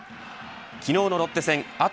昨日のロッテ戦あと